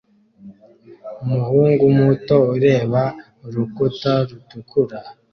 Umuhungu muto ureba urukuta rutukura